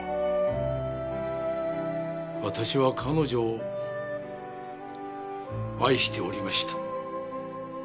私は彼女を愛しておりました。